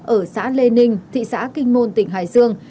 ở xã lê ninh thị xã kinh môn tỉnh hải dương